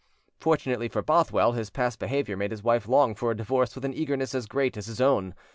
Fortunately for Bothwell, his past behaviour made his wife long for a divorce with an eagerness as great as his own.